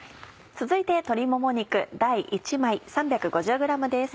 続いて鶏もも肉大１枚３５０ｇです。